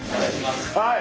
はい。